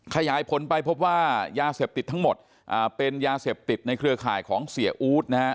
ขยายผลไปพบว่ายาเสพติดทั้งหมดเป็นยาเสพติดในเครือข่ายของเสียอู๊ดนะฮะ